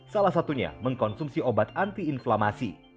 salah satunya mengkonsumsi obat anti inflamasi